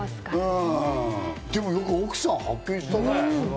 でも、よく奥さん発見したね。